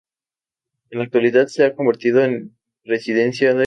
En la actualidad se ha reconvertido en residencia de ancianos.